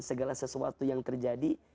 segala sesuatu yang terjadi